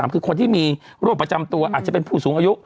คือคนที่มีโรคประจำตัวอาจจะเป็นผู้สูงอายุ